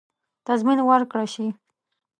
تضمین ورکړه شي.